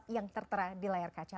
yang tertera di layar kaca